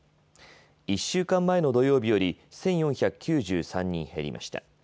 １週間前の土曜日より１４９３人減りました。